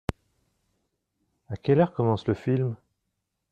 À quelle heure commence le film ?